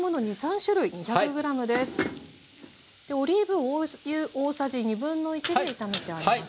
オリーブ油大さじ1/2で炒めてあります。